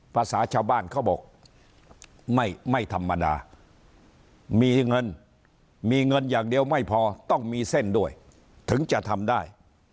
ภาษาชาวบ้านเขาบอกไม่ธรรมดามีเงินมีเงินอย่างเดียวไม่พอต้องมีเส้นด้วยถึงจะทำได้